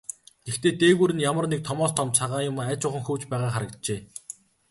Гэхдээ дээгүүр нь ямар нэг томоос том цагаан юм аажуухан хөвж байгаа харагджээ.